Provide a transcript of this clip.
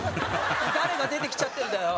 誰が出てきちゃってるんだよ？